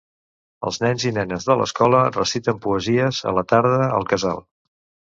Els nens i nenes de l'escola reciten poesies, a la tarda, al Casal.